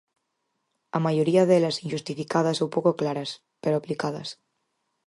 A maioría delas inxustificadas ou pouco claras, pero aplicadas.